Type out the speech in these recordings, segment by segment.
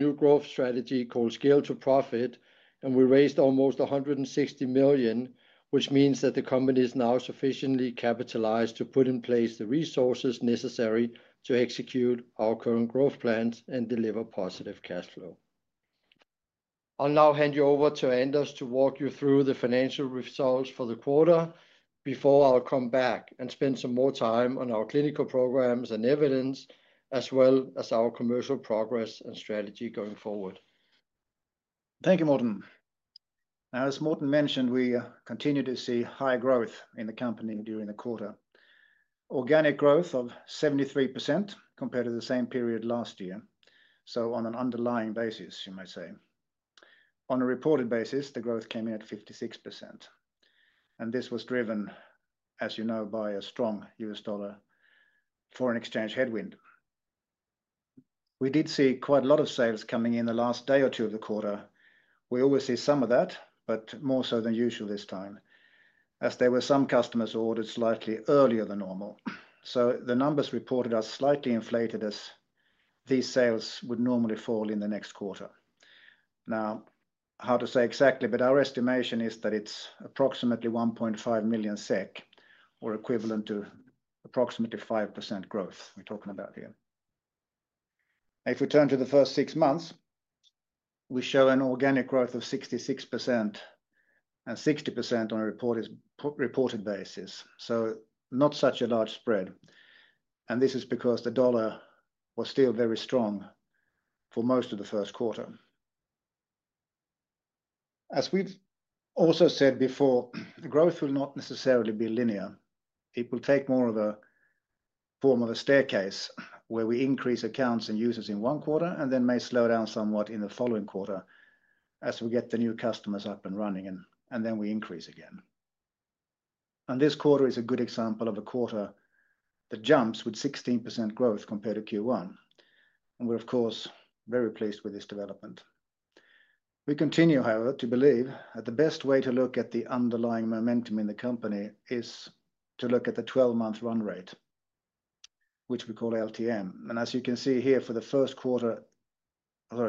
New growth strategy called Scale to Profit, and we raised almost 160 million, which means that the company is now sufficiently capitalized to put in place the resources necessary to execute our current growth plans and deliver positive cash flow. I'll now hand you over to Anders Svensson to walk you through the financial results for the quarter before I'll come back and spend some more time on our clinical programs and evidence, as well as our commercial progress and strategy going forward. Thank you, Morten. As Morten mentioned, we continue to see high growth in the company during the quarter. Organic growth of 73% compared to the same period last year, so on an underlying basis, you might say. On a reported basis, the growth came in at 56%. This was driven, as you know, by a strong U.S. dollar foreign exchange headwind. We did see quite a lot of sales coming in the last day or two of the quarter. We always see some of that, but more so than usual this time, as there were some customers who ordered slightly earlier than normal. The numbers reported are slightly inflated as these sales would normally fall in the next quarter. Now, how to say exactly, but our estimation is that it's approximately 1.5 million SEK, or equivalent to approximately 5% growth we're talking about here. If we turn to the first six months, we show an organic growth of 66% and 60% on a reported basis, not such a large spread. This is because the dollar was still very strong for most of the first quarter. As we've also said before, the growth will not necessarily be linear. It will take more of a form of a staircase where we increase accounts and users in one quarter and then may slow down somewhat in the following quarter as we get the new customers up and running, and then we increase again. This quarter is a good example of a quarter that jumps with 16% growth compared to Q1. We're, of course, very pleased with this development. We continue, however, to believe that the best way to look at the underlying momentum in the company is to look at the 12-month run rate, which we call LTM. As you can see here for the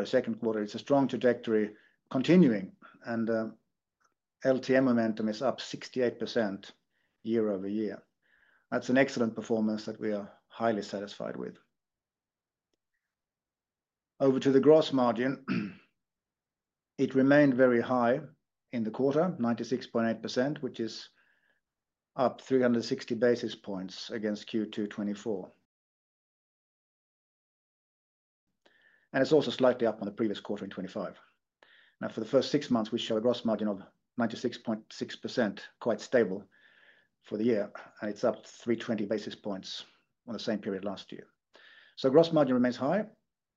second quarter, it's a strong trajectory continuing, and LTM momentum is up 68% year-over-year. That's an excellent performance that we're highly satisfied with. Over to the gross margin, it remained very high in the quarter, 96.8%, which is up 360 basis points against Q2 2024. It's also slightly up on the previous quarter in 2025. For the first six months, we show a gross margin of 96.6%, quite stable for the year, and it's up 320 basis points on the same period last year. Gross margin remains high,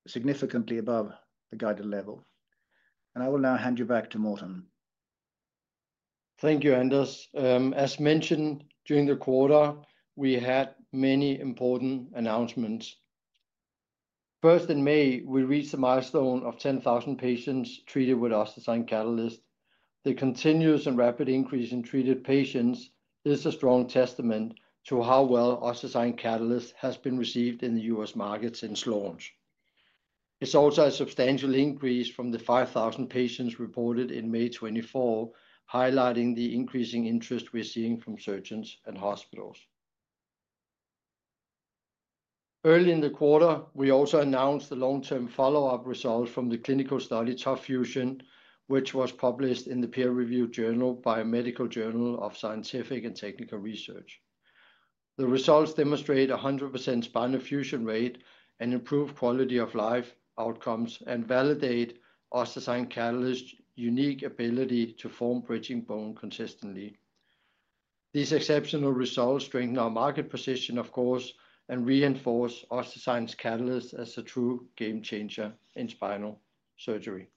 significantly above the guided level. I will now hand you back to Morten. Thank you, Anders. As mentioned, during the quarter, we had many important announcements. First, in May, we reached the milestone of 10,000 patients treated with Oss Catalyst. The continuous and rapid increase in treated patients is a strong testament to how well Oss Catalyst has been received in the U.S. market since launch. It's also a substantial increase from the 5,000 patients reported in May 2024, highlighting the increasing interest we're seeing from surgeons and hospitals. Early in the quarter, we also announced the long-term follow-up results from the clinical study ToFusion, which was published in the peer-reviewed biomedical journal of scientific and technical research. The results demonstrate a 100% spinal fusion rate and improved quality of life outcomes and validate Oss Catalyst's unique ability to form bridging bone consistently. These exceptional results strengthen our market position, of course, and reinforce OssDsign Catalyst as a true game changer in spinal surgery.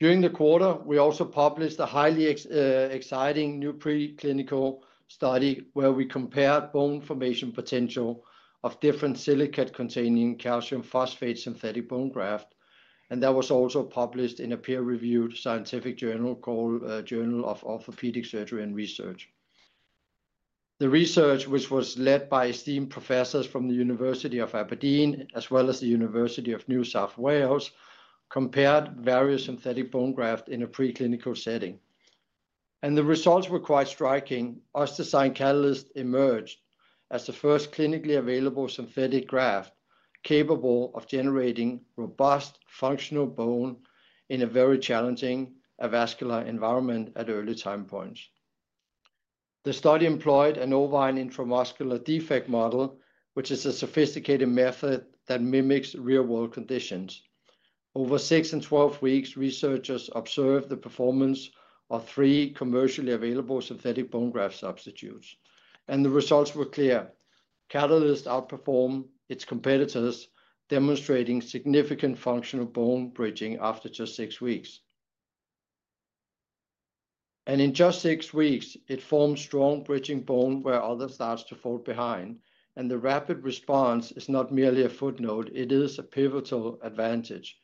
During the quarter, we also published a highly exciting new preclinical study where we compared bone formation potential of different silicate-containing calcium phosphate synthetic bone graft, and that was also published in a peer-reviewed scientific journal called Journal of Orthopaedic Surgery and Research. The research, which was led by esteemed professors from the University of Aberdeen as well as the University of New South Wales, compared various synthetic bone grafts in a preclinical setting. The results were quite striking. Oss Catalyst emerged as the first clinically available synthetic graft capable of generating robust functional bone in a very challenging avascular environment at early time points. The study employed an oval intramuscular defect model, which is a sophisticated method that mimics real-world conditions. Over 6 and 12 weeks, researchers observed the performance of three commercially available synthetic bone graft substitutes. The results were clear. Catalyst outperformed its competitors, demonstrating significant functional bone bridging after just six weeks. In just six weeks, it forms strong bridging bone where others start to fall behind. The rapid response is not merely a footnote; it is a pivotal advantage.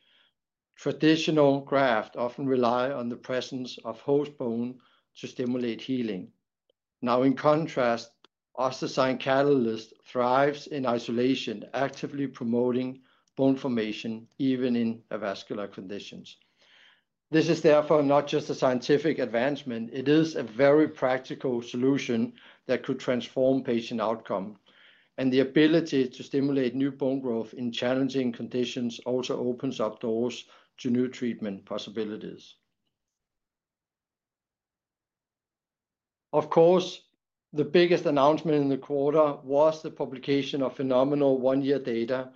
Traditional grafts often rely on the presence of host bone to stimulate healing. In contrast, Oss Catalyst thrives in isolation, actively promoting bone formation even in avascular conditions. This is therefore not just a scientific advancement, it is a very practical solution that could transform patient outcome. The ability to stimulate new bone growth in challenging conditions also opens up doors to new treatment possibilities. Of course, the biggest announcement in the quarter was the publication of phenomenal one-year data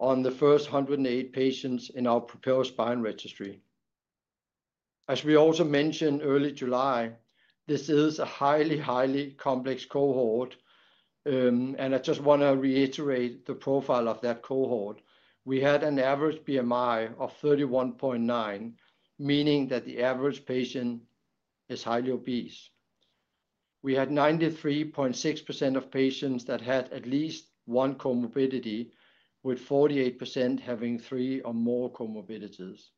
on the first 108 patients in our proposed spine registry. As we also mentioned early July, this is a highly, highly complex cohort. I just want to reiterate the profile of that cohort. We had an average BMI of 31.9, meaning that the average patient is highly obese. We had 93.6% of patients that had at least one comorbidity, with 48% having three or more comorbidities.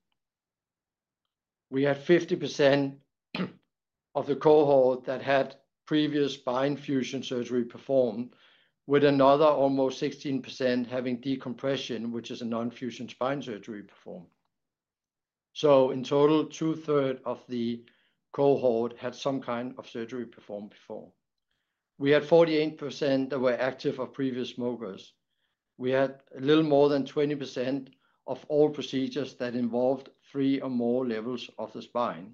We had 50% of the cohort that had previous spine fusion surgery performed, with another almost 16% having decompression, which is a non-fusion spine surgery performed. In total, two-thirds of the cohort had some kind of surgery performed before. We had 48% that were active or previous smokers. We had a little more than 20% of all procedures that involved three or more levels of the spine.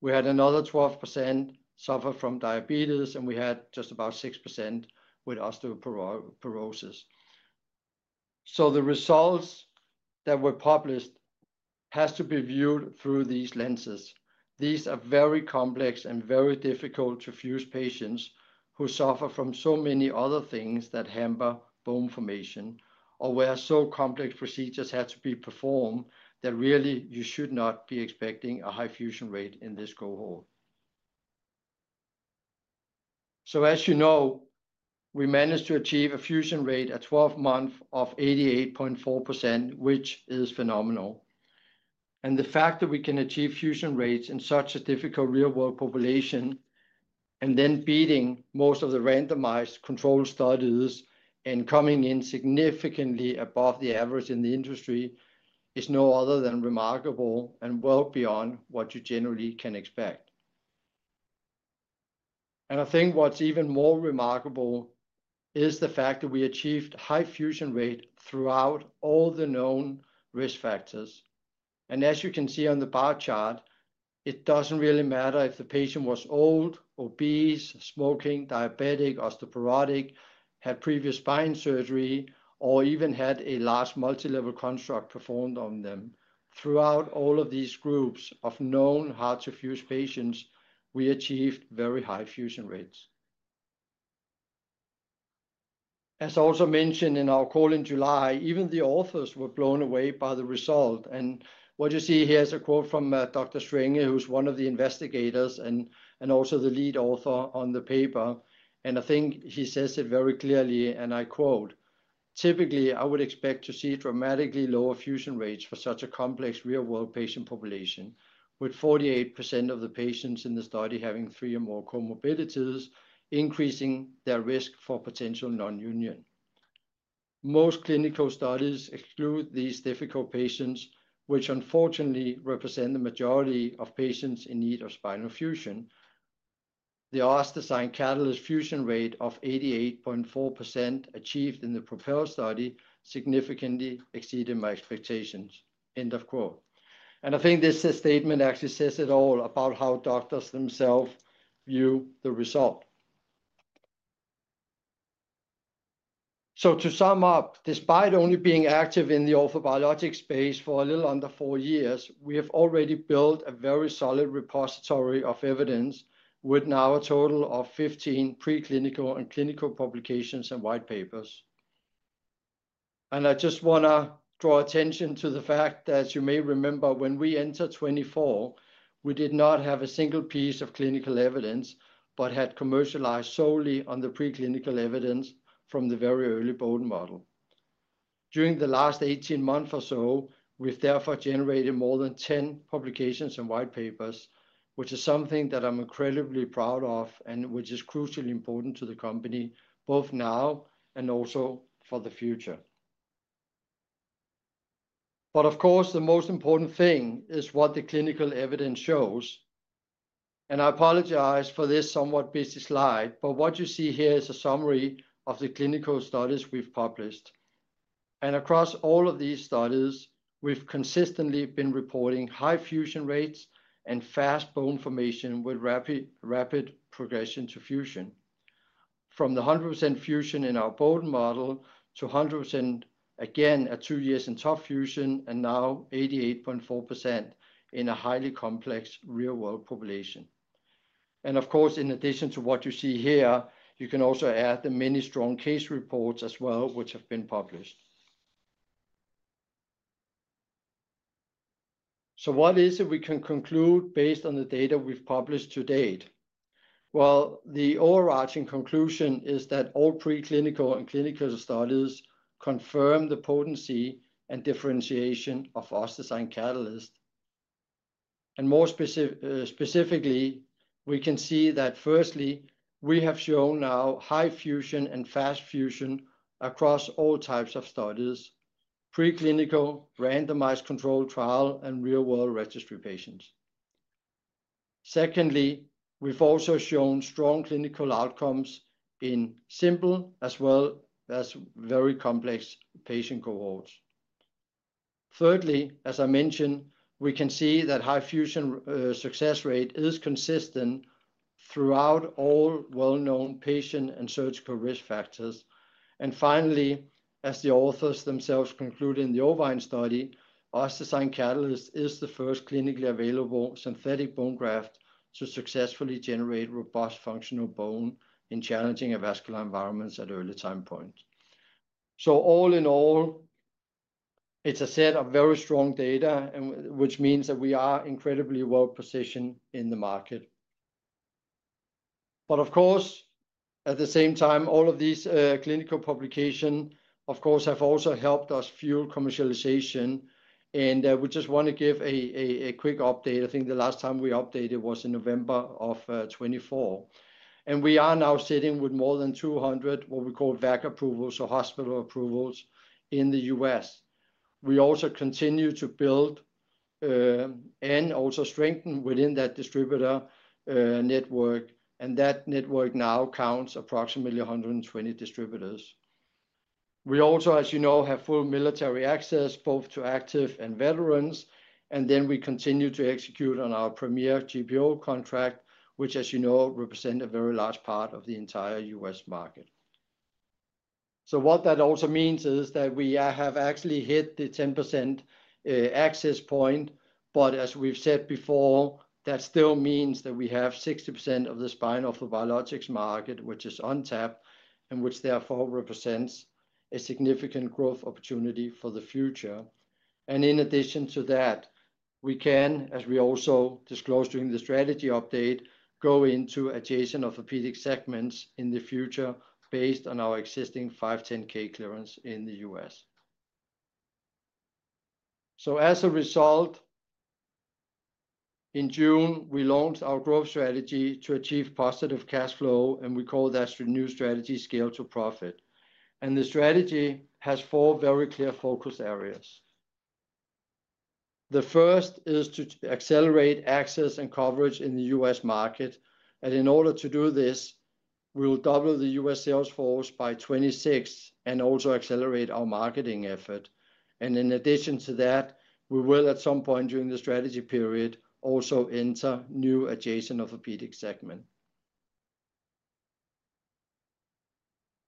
We had another 12% suffer from diabetes, and we had just about 6% with osteoporosis. The results that were published have to be viewed through these lenses. These are very complex and very difficult to fuse patients who suffer from so many other things that hamper bone formation, or where so complex procedures had to be performed that really you should not be expecting a high fusion rate in this cohort. As you know, we managed to achieve a fusion rate at 12 months of 88.4%, which is phenomenal. The fact that we can achieve fusion rates in such a difficult real-world population, and then beating most of the randomized controlled studies and coming in significantly above the average in the industry, is no other than remarkable and well beyond what you generally can expect. I think what's even more remarkable is the fact that we achieved a high fusion rate throughout all the known risk factors. As you can see on the bar chart, it doesn't really matter if the patient was old, obese, smoking, diabetic, osteoporotic, had previous spine surgery, or even had a large multilevel construct performed on them. Throughout all of these groups of known hard-to-fuse patients, we achieved very high fusion rates. As also mentioned in our call in July, even the authors were blown away by the result. What you see here is a quote from Dr. Schwenke, who's one of the investigators and also the lead author on the paper. I think he says it very clearly, and I quote, typically, I would expect to see dramatically lower fusion rates for such a complex real-world patient population, with 48% of the patients in the study having three or more comorbidities, increasing their risk for potential nonunion. Most clinical studies exclude these difficult patients, which unfortunately represent the majority of patients in need of spinal fusion. The Oss Catalyst fusion rate of 88.4% achieved in the proposed study significantly exceeded my expectations." End of quote. I think this statement actually says it all about how doctors themselves view the result. To sum up, despite only being active in the orthobiologics space for a little under four years, we have already built a very solid repository of evidence with now a total of 15 preclinical and clinical publications and white papers. I just want to draw attention to the fact that, as you may remember, when we entered 2024, we did not have a single piece of clinical evidence but had commercialized solely on the preclinical evidence from the very early bone model. During the last 18 months or so, we've therefore generated more than 10 publications and white papers, which is something that I'm incredibly proud of and which is crucially important to the company, both now and also for the future. The most important thing is what the clinical evidence shows. I apologize for this somewhat busy slide, but what you see here is a summary of the clinical studies we've published. Across all of these studies, we've consistently been reporting high fusion rates and fast bone formation with rapid progression to fusion. From the 100% fusion in our bone model to 100% again at two years in ToFusion, and now 88.4% in a highly complex real-world population. In addition to what you see here, you can also add the many strong case reports as well, which have been published. What is it we can conclude based on the data we've published to date? The overarching conclusion is that all preclinical and clinical studies confirm the potency and differentiation of Oss Catalyst. More specifically, we can see that, firstly, we have shown now high fusion and fast fusion across all types of studies: preclinical, randomized controlled trial, and real-world registry patients. Secondly, we've also shown strong clinical outcomes in simple as well as very complex patient cohorts. Thirdly, as I mentioned, we can see that high fusion success rate is consistent throughout all well-known patient and surgical risk factors. Finally, as the authors themselves conclude in the oval study, Oss Catalyst is the first clinically available synthetic bone graft to successfully generate robust functional bone in challenging avascular environments at early time points. All in all, it's a set of very strong data, which means that we are incredibly well-positioned in the market. Of course, at the same time, all of these clinical publications have also helped us fuel commercialization. We just want to give a quick update. I think the last time we updated was in November of 2024. We're now sitting with more than 200, what we call VAC approvals, so hospital approvals, in the U.S. We also continue to build and strengthen within that distributor network, and that network now counts approximately 120 distributors. We also, as you know, have full military access both to active and veterans. We continue to execute on our premier GPO contract, which, as you know, represents a very large part of the entire U.S. market. What that also means is that we have actually hit the 10% access point. As we've said before, that still means that we have 60% of the spine orthobiologics market, which is untapped and which therefore represents a significant growth opportunity for the future. In addition to that, we can, as we also disclosed during the strategy update, go into adjacent orthopedic segments in the future based on our existing 510(k) clearance in the U.S. As a result, in June, we launched our growth strategy to achieve positive cash flow, and we call that new strategy Scale to Profit. The strategy has four very clear focus areas. The first is to accelerate access and coverage in the U.S. market. In order to do this, we'll double the U.S. sales force by 2026 and also accelerate our marketing effort. In addition to that, we will, at some point during the strategy period, also enter new adjacent orthopedic segments.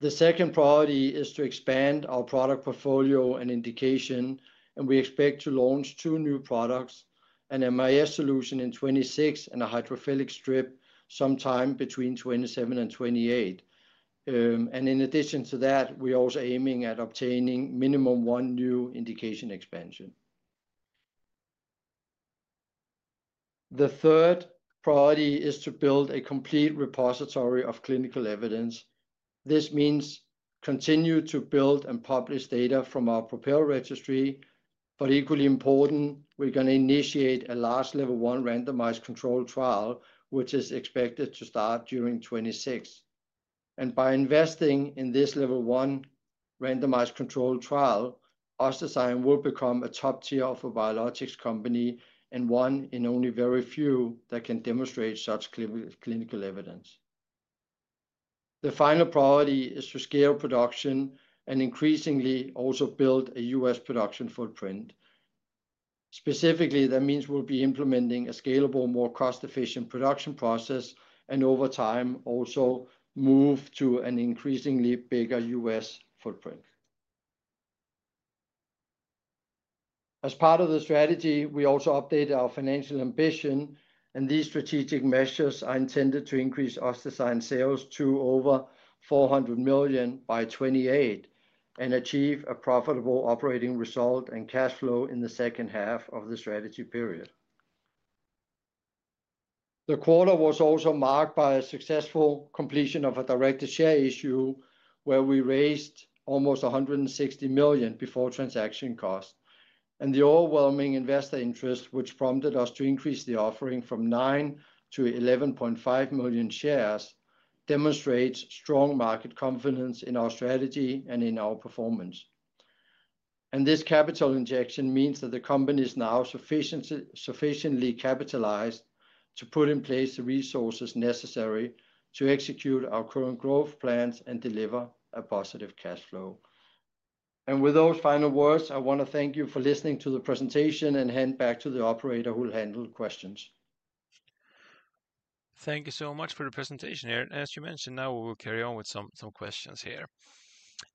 The second priority is to expand our product portfolio and indication. We expect to launch two new products, an MIS Solution in 2026 and a hydrophilic strip sometime between 2027 and 2028. In addition to that, we're also aiming at obtaining minimum one new indication expansion. The third priority is to build a complete repository of clinical evidence. This means continue to build and publish data from our proposed registry. Equally important, we're going to initiate a large level one randomized controlled trial, which is expected to start during 2026. By investing in this level one randomized controlled trial, Oss will become a top-tier orthobiologics company and one in only very few that can demonstrate such clinical evidence. The final priority is to scale production and increasingly also build a U.S. production footprint. Specifically, that means we'll be implementing a scalable, more cost-efficient production process and, over time, also move to an increasingly bigger U.S. footprint. As part of the strategy, we also updated our financial ambition. These strategic measures are intended to increase Oss sales to over 400 million by 2028 and achieve a profitable operating result and cash flow in the second half of the strategy period. The quarter was also marked by a successful completion of a directed share issue where we raised almost 160 million before transaction costs. The overwhelming investor interest, which prompted us to increase the offering from 9 million-11.5 million shares, demonstrates strong market confidence in our strategy and in our performance. This capital injection means that the company is now sufficiently capitalized to put in place the resources necessary to execute our current growth plans and deliver a positive cash flow. With those final words, I want to thank you for listening to the presentation and hand back to the operator who'll handle questions. Thank you so much for the presentation here. As you mentioned, now we'll carry on with some questions here.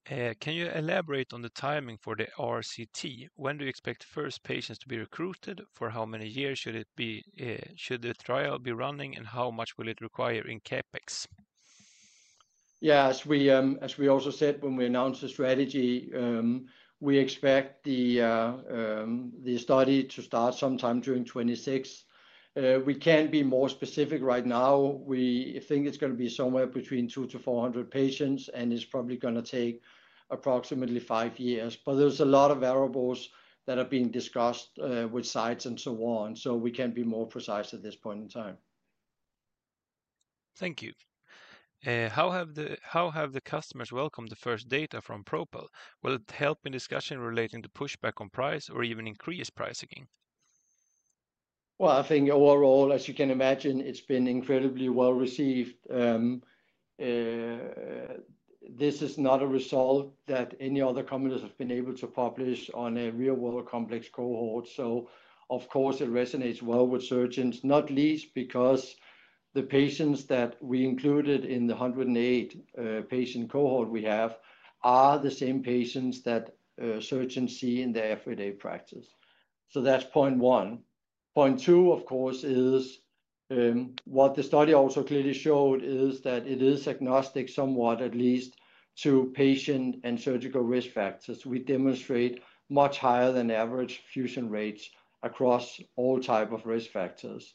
Can you elaborate on the timing for the RCT? When do you expect the first patients to be recruited? For how many years should it be? Should the trial be running? How much will it require in CapEx? Yeah, as we also said when we announced the strategy, we expect the study to start sometime during 2026. We can't be more specific right now. We think it's going to be somewhere between 200-400 patients, and it's probably going to take approximately five years. There are a lot of variables that are being discussed with sites and so on, so we can't be more precise at this point in time. Thank you. How have the customers welcomed the first data from Propel? Will it help in discussion relating to pushback on price or even increase pricing? I think overall, as you can imagine, it's been incredibly well received. This is not a result that any other companies have been able to publish on a real-world complex cohort. Of course, it resonates well with surgeons, not least because the patients that we included in the 108 patient cohort we have are the same patients that surgeons see in their everyday practice. That's point one. Point two, of course, is what the study also clearly showed is that it is agnostic somewhat, at least, to patient and surgical risk factors. We demonstrate much higher than average fusion rates across all types of risk factors.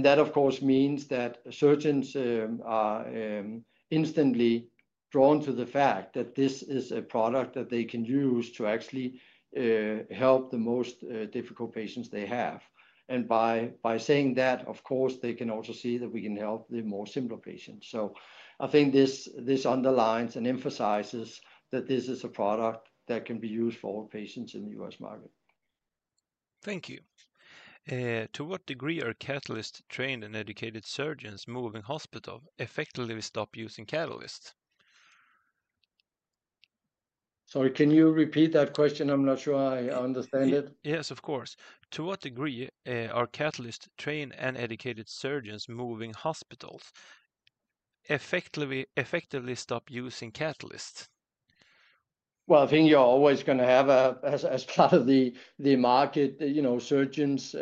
That, of course, means that surgeons are instantly drawn to the fact that this is a product that they can use to actually help the most difficult patients they have. By saying that, of course, they can also see that we can help the more simpler patients. I think this underlines and emphasizes that this is a product that can be used for all patients in the U.S. market. Thank you. To what degree are Catalyst-trained and educated surgeons moving hospital effectively to stop using Catalyst? Sorry, can you repeat that question? I'm not sure I understand it. Yes, of course. To what degree are Catalyst-trained and educated surgeons moving hospitals effectively to stop using Catalyst? I think you're always going to have a, as part of the market, you know, surgeons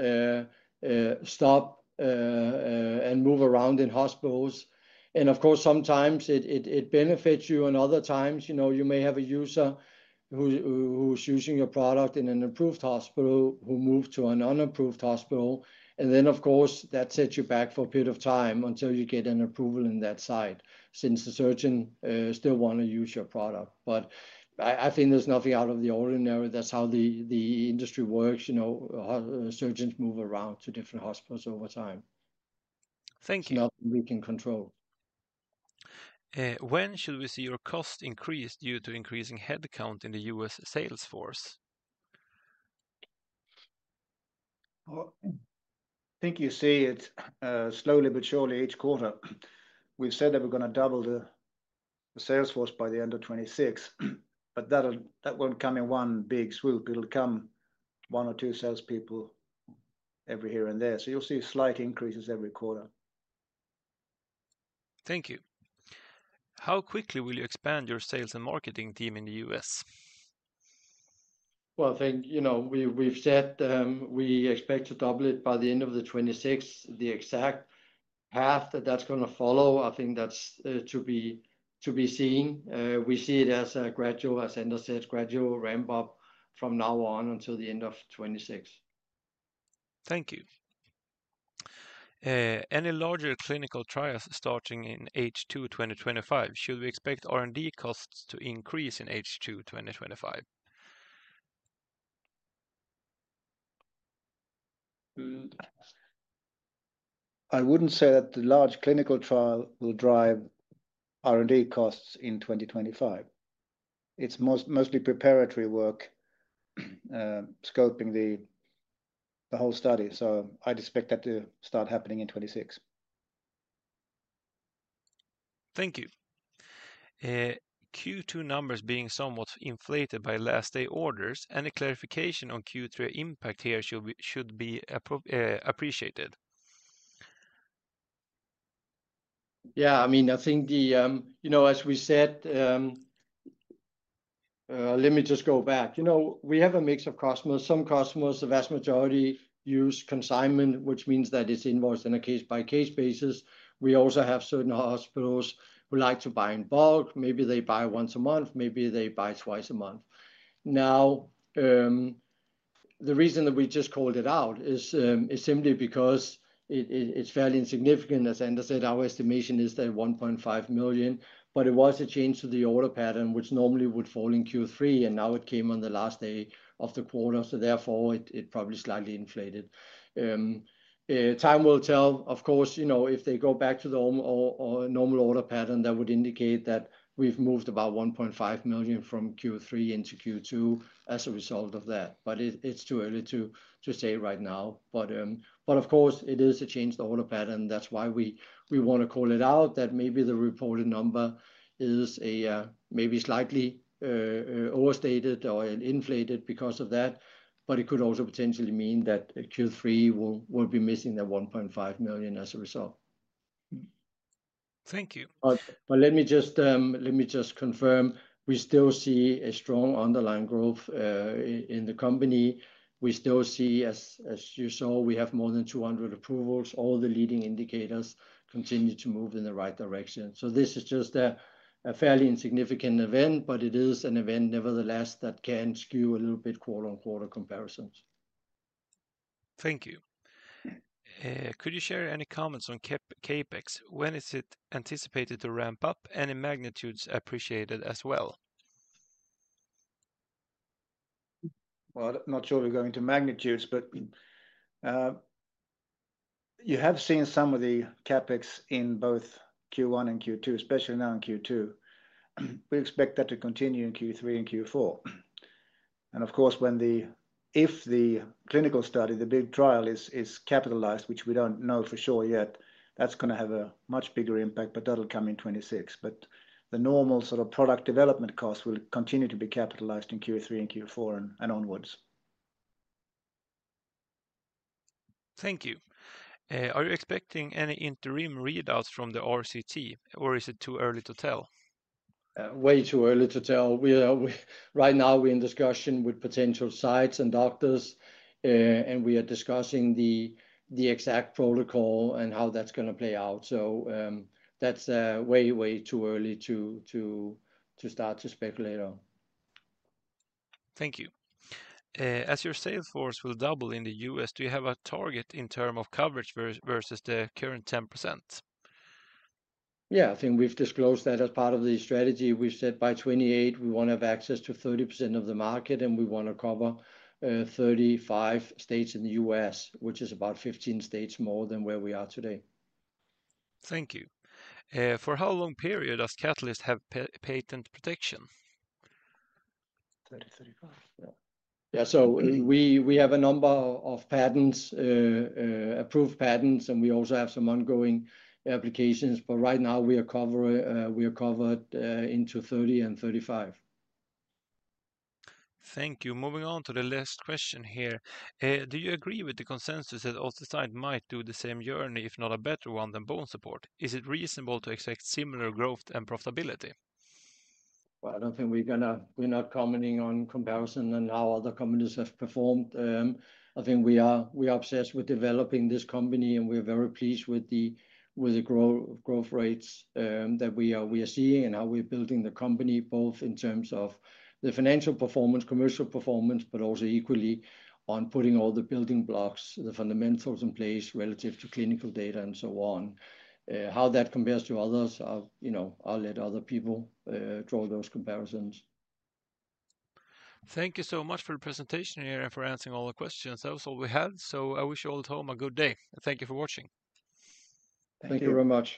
stop and move around in hospitals. Of course, sometimes it benefits you, and other times, you may have a user who's using your product in an approved hospital who moved to an unapproved hospital. Of course, that sets you back for a period of time until you get an approval in that site since the surgeon still want to use your product. I think there's nothing out of the ordinary. That's how the industry works. You know, surgeons move around to different hospitals over time. Thank you. Nothing we can control. When should we see your cost increase due to increasing headcount in the U.S. sales force? I think you see it slowly but surely each quarter. We've said that we're going to double the sales force by the end of 2026, but that won't come in one big swoop. It'll come one or two salespeople every here and there. You will see slight increases every quarter. Thank you. How quickly will you expand your sales and marketing team in the U.S.? I think, you know, we've said we expect to double it by the end of 2026. The exact path that that's going to follow, I think that's to be seen. We see it as a gradual, as Anders said, a gradual ramp-up from now on until the end of 2026. Thank you. Any larger clinical trials starting in H2 2025? Should we expect R&D costs to increase in H2 2025? I wouldn't say that the large clinical trial will drive R&D costs in 2025. It's mostly preparatory work, scoping the whole study. I'd expect that to start happening in 2026. Thank you. Q2 numbers being somewhat inflated by last-day orders, any clarification on Q3 impact here would be appreciated? I think, as we said, let me just go back. We have a mix of customers. Some customers, the vast majority, use consignment, which means that it's invoiced on a case-by-case basis. We also have certain hospitals who like to buy in bulk. Maybe they buy once a month. Maybe they buy twice a month. The reason that we just called it out is simply because it's fairly insignificant. As Anders Svensson said, our estimation is that 1.5 million. It was a change to the order pattern, which normally would fall in Q3, and now it came on the last day of the quarter. Therefore, it probably slightly inflated. Time will tell. If they go back to the normal order pattern, that would indicate that we've moved about 1.5 million from Q3 into Q2 as a result of that. It's too early to say right now. It is a changed order pattern. That's why we want to call it out, that maybe the reported number is maybe slightly overstated or inflated because of that. It could also potentially mean that Q3 will be missing that 1.5 million as a result. Thank you. Let me just confirm, we still see a strong underlying growth in the company. We still see, as you saw, we have more than 200 approvals. All the leading indicators continue to move in the right direction. This is just a fairly insignificant event, but it is an event, nevertheless, that can skew a little bit quarter-on-quarter comparisons. Thank you. Could you share any comments on CapEx? When is it anticipated to ramp up? Any magnitudes appreciated as well? I'm not sure we're going to magnitudes, but you have seen some of the CapEx in both Q1 and Q2, especially now in Q2. We expect that to continue in Q3 and Q4. Of course, if the clinical study, the big trial, is capitalized, which we don't know for sure yet, that's going to have a much bigger impact, but that'll come in 2026. The normal sort of product development costs will continue to be capitalized in Q3 and Q4 and onwards. Thank you. Are you expecting any interim readouts from the RCT, or is it too early to tell? Way too early to tell. Right now, we're in discussion with potential sites and doctors, and we are discussing the exact protocol and how that's going to play out. That's way, way too early to start to speculate on. Thank you. As your sales force will double in the U.S., do you have a target in terms of coverage versus the current 10%? I think we've disclosed that as part of the strategy. We've said by 2028, we want to have access to 30% of the market, and we want to cover 35 states in the U.S., which is about 15 states more than where we are today. Thank you. For how long period does Catalyst have patent protection? Yeah, we have a number of patents, approved patents, and we also have some ongoing applications. Right now, we are covered into 30 and 35. Thank you. Moving on to the last question here. Do you agree with the consensus that Oss might do the same journey, if not a better one, than BoneSupport? Is it reasonable to expect similar growth and profitability? I don't think we're commenting on comparison and how other companies have performed. I think we are obsessed with developing this company, and we're very pleased with the growth rates that we are seeing and how we're building the company, both in terms of the financial performance, commercial performance, but also equally on putting all the building blocks, the fundamentals in place relative to clinical data and so on. How that compares to others, you know, I'll let other people draw those comparisons. Thank you so much for the presentation here and for answering all the questions. That was all we had. I wish you all at home a good day. Thank you for watching. Thank you very much.